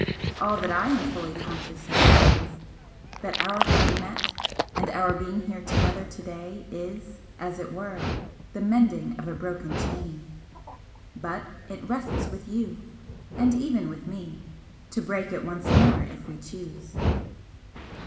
All that I am fully conscious of is, that our having met and our being here together to day is, as it were, the mending of a broken chain. But it rests with you and even with me to break it once more if we choose."